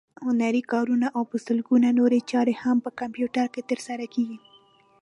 هنري کارونه او په سلګونو نورې چارې هم په کمپیوټر کې ترسره کېږي.